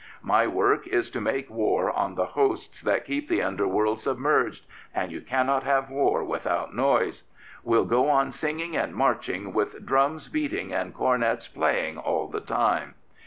My work is to make war on the hosts that keep the underworld submerged, and you cannot have war without noise. We'll go on singing and marching with drums beat ing and cornets playing all the time."